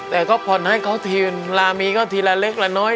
แต่ก็ผ่อนให้เขาทีนลามีก็ทีละเล็กละน้อย